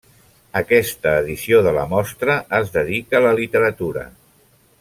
Aquesta edició de la mostra es dedica a la literatura.